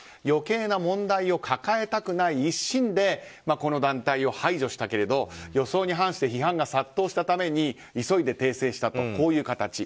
余計な問題を抱えたくない一心でこの団体を排除したけれども予想に反して批判が殺到したために急いで訂正したという形。